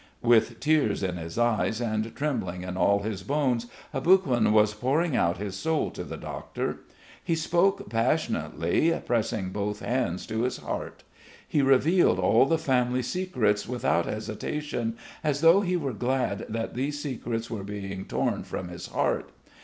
With tears in his eyes and trembling in all his bones, Aboguin was pouring out his soul to the doctor. He spoke passionately, pressing both hands to his heart. He revealed all the family secrets without hesitation, as though he were glad that these secrets were being tom from his heart.